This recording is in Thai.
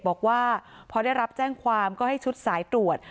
บอกว่าพอได้รับแจ้งความก็ให้ชุดสายตรวจ